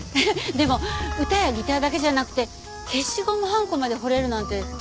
でも歌やギターだけじゃなくて消しゴムはんこまで彫れるなんて多彩ですね。